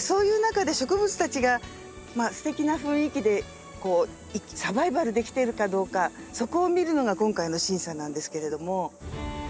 そういう中で植物たちがすてきな雰囲気でサバイバルできているかどうかそこを見るのが今回の審査なんですけれども。